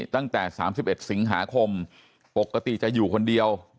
ตั้งแต่๓๑สิงหาคมปกติจะอยู่คนเดียว